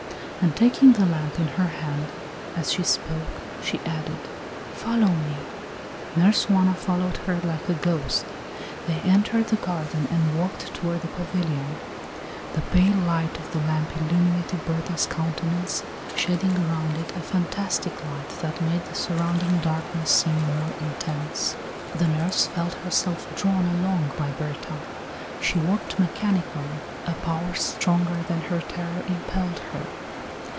And taking the lamp in her hand as she spoke, she added: "Follow me." Nurse Juana followed her like a ghost. They entered the garden and walked toward the pavilion. The pale light of the lamp illumined Berta's countenance, shedding around it a fantastic light that made the surrounding darkness seem more intense. The nurse felt herself drawn along by Berta; she walked mechanically; a power stronger than her terror impelled her.